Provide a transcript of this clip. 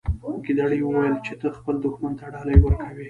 ګیدړې وویل چې ته خپل دښمن ته ډالۍ ورکوي.